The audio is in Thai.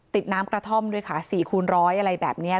น้ำกระท่อมด้วยค่ะ๔คูณร้อยอะไรแบบนี้